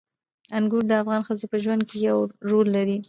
انګور د افغان ښځو په ژوند کې یو رول لري.